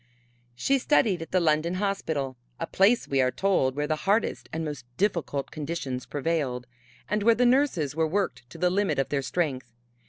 She studied at the London Hospital a place, we are told, where the hardest and most difficult conditions prevailed, and where the nurses were worked to the limit of their strength.